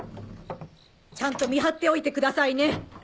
ちゃんと見張っておいてくださいね！